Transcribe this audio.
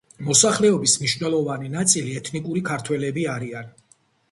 მოსახლეობის მნიშვნელოვანი ნაწილი ეთნიკური ქართველები არიან.